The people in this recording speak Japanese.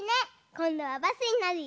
こんどはバスになるよ！